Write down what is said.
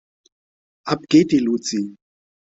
Ab geht die Luzi.